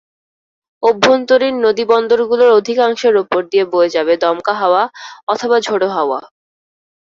অভ্যন্তরীণ নদীবন্দরগুলোর অধিকাংশের ওপর দিয়ে বয়ে যাবে দমকা অথবা ঝোড়ো হাওয়া।